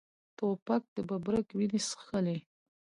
توپک د ببرک وینې څښلي.